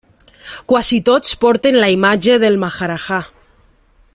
Quasi tots porten la imatge del maharajà.